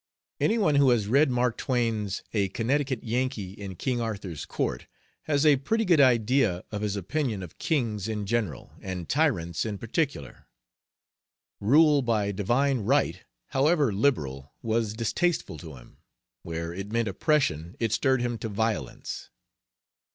Any one who has read Mark Twain's, "A Connecticut Yankee in King Arthur's Court," has a pretty good idea of his opinion of kings in general, and tyrants in particular. Rule by "divine right," however liberal, was distasteful to him; where it meant oppression it stirred him to violence.